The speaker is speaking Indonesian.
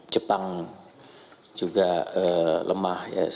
jepang juga lemah